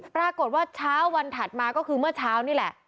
ปรากฏว่าเช้าวันถัดมาก็คือเมื่อเช้านี่แหละ